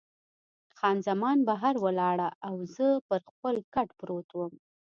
خان زمان بهر ولاړه او زه پر خپل کټ پروت وم.